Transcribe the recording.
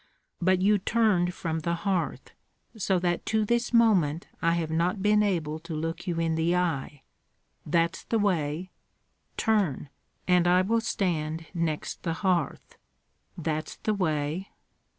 But you turned from the hearth, so that to this moment I have not been able to look you in the eye that's the way! Turn, and I will stand next the hearth; that's the way!"